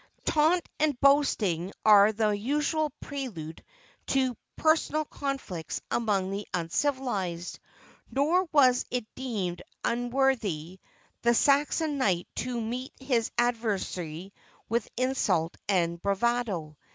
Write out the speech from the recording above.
Taunt and boasting are the usual prelude to personal conflicts among the uncivilized; nor was it deemed unworthy the Saxon knight to meet his adversary with insult and bravado.